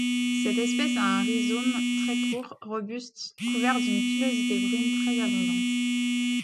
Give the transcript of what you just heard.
Cette espèce a un rhizome très court, robuste, couvert d'une pilosité brune très abondante.